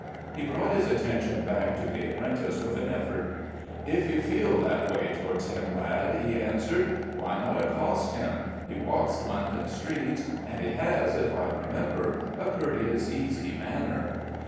He brought his attention back to the apprentice with an effort. "If you feel that way towards him, lad," he answered, "why not accost him? He walks London streets; and he has, if I remember, a courteous, easy manner."